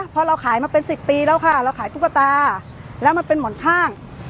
พอเราขายมาเป็น๑๐ปีแล้วค่ะเราขายตุ๊กตาแล้วมันเป็นหมอนข้าง